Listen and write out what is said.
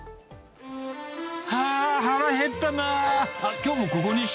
あー、腹減ったな。